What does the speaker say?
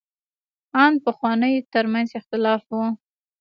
ان پخوانو تر منځ اختلاف و.